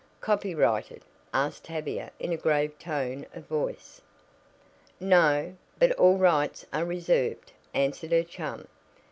"Copyrighted?" asked Tavia in a grave tone of voice. "No; but all rights are reserved," answered her chum.